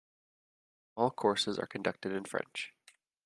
All courses are conducted in French.